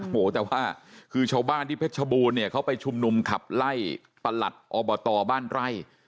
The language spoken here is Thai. โอ้โหแต่ว่าคือชาวบ้านที่เพชรชบูรณเนี่ยเขาไปชุมนุมขับไล่ประหลัดอบตบ้านไร่